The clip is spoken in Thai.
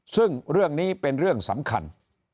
ซึ่งเรื่องนี้เป็นเรื่องสำคัญ